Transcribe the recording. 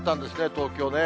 東京ね。